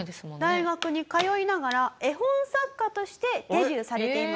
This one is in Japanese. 大学に通いながら絵本作家としてデビューされています。